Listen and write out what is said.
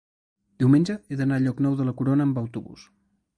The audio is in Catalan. Diumenge he d'anar a Llocnou de la Corona amb autobús.